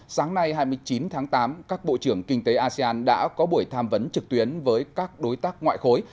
sáng nay hai mươi chín tháng tám các bộ trưởng kinh tế asean đã có buổi tham vấn trực tuyến với các đối tác ngoại khối